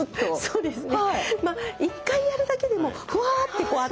そうですね